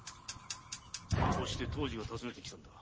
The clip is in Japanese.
こうして藤次が訪ねて来たのだ。